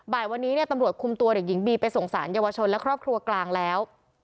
บ่ายวันนี้เนี่ยตำรวจคุมตัวเด็กหญิงบีไปส่งสารเยาวชนและครอบครัวกลางแล้ว